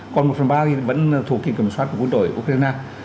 còn một phần ba thì vẫn thuộc kỳ kiểm soát của quân đội ukraine